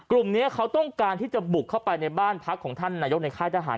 กลุ่มนี้เขาต้องการที่จะบุกเข้าไปในบ้านพักของท่านนายกในค่ายทหาร